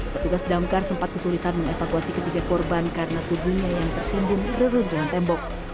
petugas damkar sempat kesulitan mengevakuasi ketiga korban karena tubuhnya yang tertimbun reruntuhan tembok